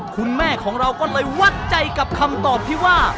คุณแม่ของเราก็เลยวัดใจกับคำตอบที่ว่า